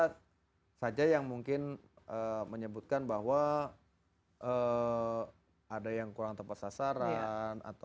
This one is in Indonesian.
ada saja yang mungkin menyebutkan bahwa ada yang kurang tepat sasaran